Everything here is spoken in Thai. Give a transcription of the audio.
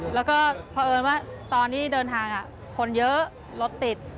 แล้วก็เพราะเอิญว่าตอนที่เดินทางคนเยอะรถติด